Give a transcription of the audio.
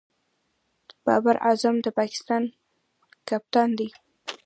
بابر اعظم د پاکستان کپتان دئ.